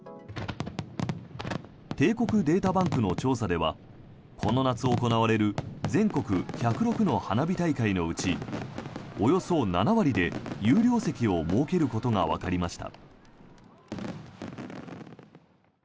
帝国データバンクの調査ではこの夏行われる全国１０６の花火大会のうちおよそ７割で有料席を設けることがわかりました。